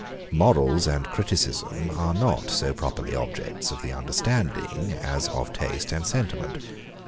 Morals and criticism are not so properly objects of the understanding as of taste and sentiment.